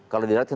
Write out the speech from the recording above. kalau di darat